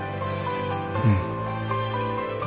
うん。